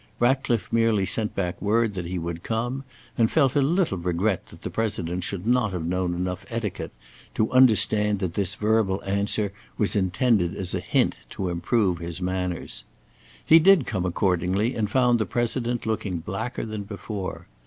Ratcliffe merely sent back word that he would come, and felt a little regret that the President should not know enough etiquette to understand that this verbal answer was intended as a hint to improve his manners. He did come accordingly, and found the President looking blacker than before.